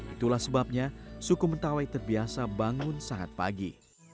itulah sebabnya suku mentawai terbiasa bangun sangat pagi